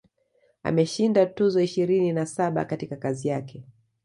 Ameshinda tuzo ishirini na saba katika kazi yake